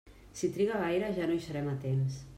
Si triga gaire ja no hi serem a temps.